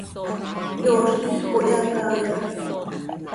Yooz quij cohyacaaixaj.